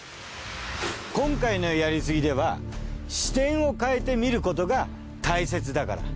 今回の「やりすぎ」では視点を変えてみることが大切だから。